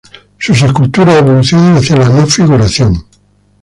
Sus esculturas evolucionan hacia la no figuración.